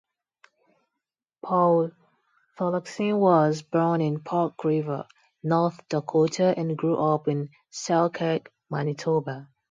Paul Thorlaksonwas born in Park River, North Dakota and grew up in Selkirk, Manitoba.